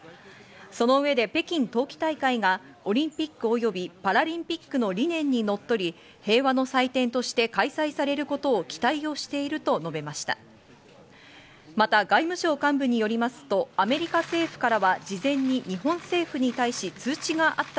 そのうえで北京冬季大会がオリンピック及びパラリンピックの理念にのっとり、平和の祭典として開催されることを期待をしていると述べました。